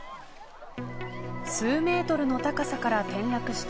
数メートルの高さから転落した